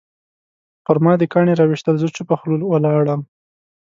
پرما دې کاڼي راویشتل زه چوپه خوله ولاړم